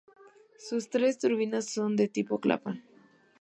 Sus tres turbinas son tipo Kaplan.